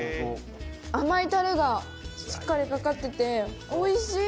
甘いたれがしっかりかかってておいしい！